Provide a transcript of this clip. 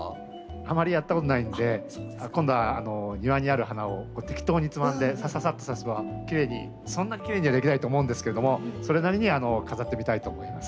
あまりやったことないので今度は庭にある花を適当につまんでさささっと挿せばきれいにそんなきれいにはできないと思うんですけれどもそれなりに飾ってみたいと思います。